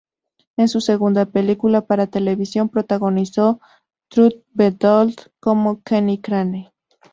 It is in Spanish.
En su segunda película para televisión, protagonizó "Truth Be Told", como Kenny Crane.